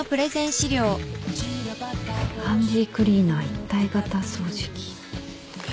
「ハンディークリーナー一体型掃除機」